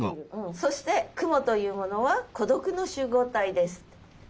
そして雲というものは孤独の集合体です。